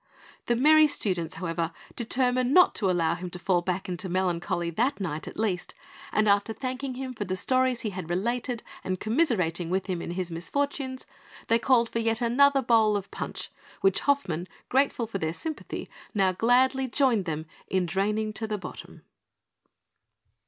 The merry students, however, determined not to allow him to fall back into melancholy that night, at least; and after thanking him for the stories he had related, and commiserating with him in his misfortunes, they called for yet another bowl of punch, which Hoffmann, grateful for their sympathy, now gladly joined them in draining to the bottom.